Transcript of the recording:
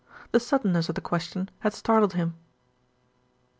The suddenness of the question had startled him.